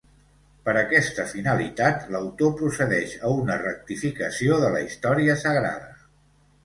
Per aquesta finalitat, l'autor procedeix a una rectificació de la història sagrada.